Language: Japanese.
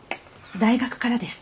大学からです。